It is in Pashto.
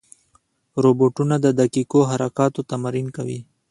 روبوټونه د دقیقو حرکاتو تمرین کوي.